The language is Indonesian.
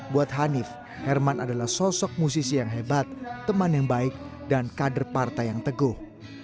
buat hanif herman adalah sosok musisi yang hebat teman yang baik dan kader partai yang teguh